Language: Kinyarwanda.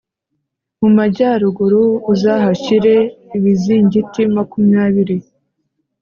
mu majyaruguru uzahashyire ibizingiti makumyabiri .